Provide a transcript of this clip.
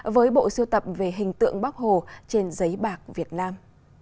với bộ siêu tập về hình tượng bắc hồ trên giấy bạc việt nam